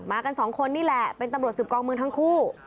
กันสองคนนี่แหละเป็นตำรวจสืบกองเมืองทั้งคู่